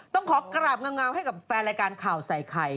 ต้องขอกราบเงาให้กับแฟนรายการข่าวใส่ไข่